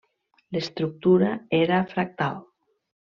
L'estructura era fractal.